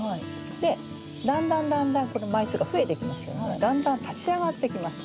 でだんだんだんだんこの枚数が増えてきますのでだんだん立ち上がってきます。